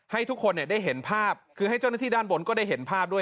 ให้ทุกคนได้เห็นภาพคือให้เจ้าหน้าที่ด้านบนก็ได้เห็นภาพด้วย